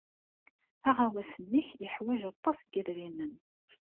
Aɣawas-nnek yeḥwaj aṭas n yedrimen.